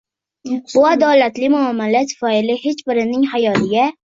Bu adolatli muomala tufayli hech birining xayoliga